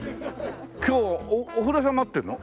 今日お風呂屋さん待ってるの？